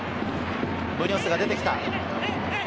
ムニョスが出てきた。